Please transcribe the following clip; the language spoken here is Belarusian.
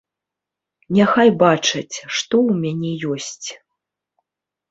Няхай бачаць, што ў мяне ёсць.